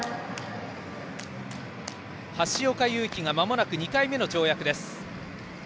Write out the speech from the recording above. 橋岡優輝がまもなく２回目の跳躍です。